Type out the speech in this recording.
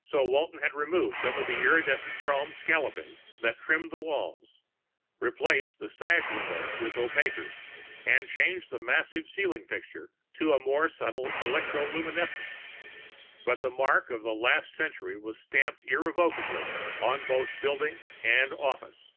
So Walton had removed some of the iridescent chrome scalloping that trimmed the walls, replaced the sash windows with opaquers, and changed the massive ceiling fixture to more subtle electroluminescents. But the mark of the last century was stamped irrevocably on both building and office.